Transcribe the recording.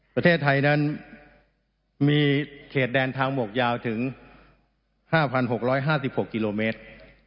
ประเทศไทยนั้นมีเขตแดนทางหมวกยาวถึง๕๖๕๖กิโลเมตร